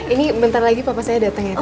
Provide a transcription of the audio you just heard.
ini bentar lagi papa saya datang ya pak